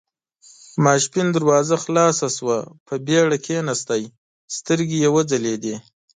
ماسپښين دروازه خلاصه شوه، په بېړه کېناست، سترګې يې وځلېدې.